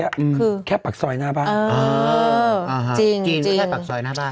ใช้อ่ะอืมคือแค่ปักซอยหน้าบ้านอ๋อจริงจริงจีนก็ใช่ปักซอยหน้าบ้าน